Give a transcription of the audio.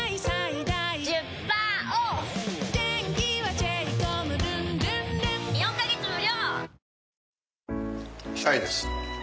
チャイです。